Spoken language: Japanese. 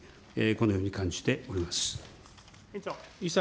このように感じております。